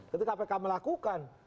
ketika kpk melakukan